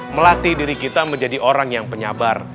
melatih diri kita menjadi orang yang penyabar